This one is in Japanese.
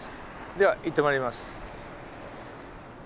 では行ってまいります。